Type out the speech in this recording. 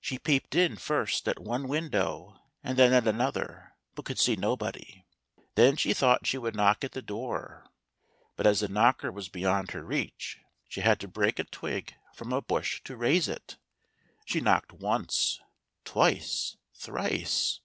She peeped in first at one window and then at another, but could see nobody. Then she thought she would knock at the door ; but as the knocker was beyond her reach, she had to break a twig from 108 THE THREE BEARS. a bush to raise it. She knocked once — twice — thrice.